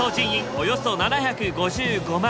およそ７５５万。